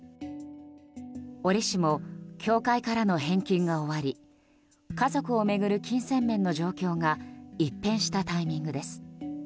折しも、教会からの返金が終わり家族を巡る金銭面の状況が一変したタイミングです。